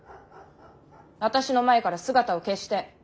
私の前から姿を消して。